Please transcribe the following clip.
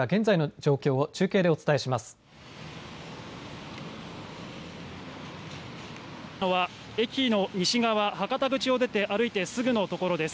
事件があったのは駅の西側、博多口を出て歩いてすぐのところです。